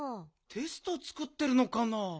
テストつくってるのかな？